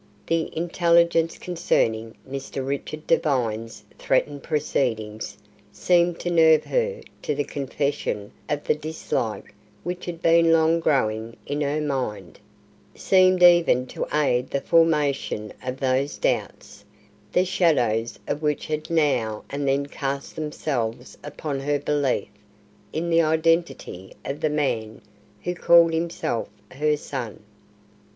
The intelligence concerning Mr. Richard Devine's threatened proceedings seemed to nerve her to the confession of the dislike which had been long growing in her mind; seemed even to aid the formation of those doubts, the shadows of which had now and then cast themselves upon her belief in the identity of the man who called himself her son.